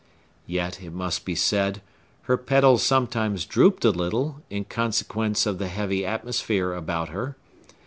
Yet, it must be said, her petals sometimes drooped a little, in consequence of the heavy atmosphere about her.